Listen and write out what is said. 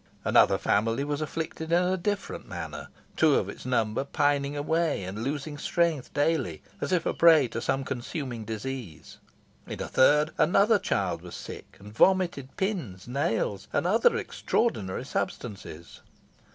Another family was afflicted in a different manner, two of its number pining away and losing strength daily, as if a prey to some consuming disease. In a third, another child was sick, and vomited pins, nails, and other extraordinary substances.